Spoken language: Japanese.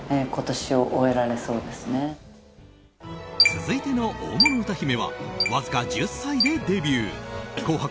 続いての大物歌姫はわずか１０歳でデビュー「紅白」